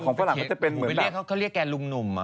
ผมไปเรียกเขาเขาเรียกแกรูมหนุ่ม